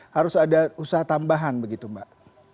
harus ada usaha tambahan begitu mbak